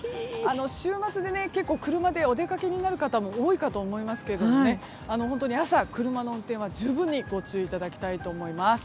週末で結構車でお出かけになる方も多いかと思いますけれども本当に朝、車の運転は十分にご注意いただきたいと思います。